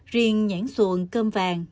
riêng nhãn xuồng cơm vàng